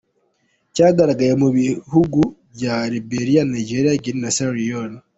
Cyagaragaye mu bihugu bya Liberia, Nigeria, Guinea na Sierra Leone.